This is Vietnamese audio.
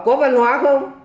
có văn hóa không